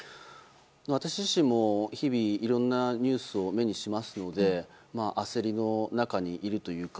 私自身も日々いろんなニュースを目にしますので焦りの中にいるというか。